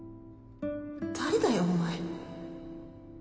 誰だよお前